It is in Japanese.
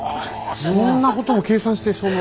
そんなことも計算してその。